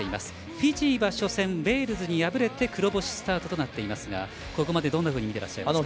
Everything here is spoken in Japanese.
フィジーは初戦ウェールズに敗れて黒星スタートとなっていますがここまで、どんなふうに見てらっしゃいますか？